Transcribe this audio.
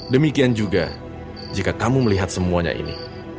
demikian juga jika kamu melihat semuanya ini